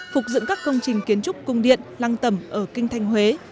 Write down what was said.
phục dựng các công trình kiến trúc cung điện lăng tầm ở kinh thành huế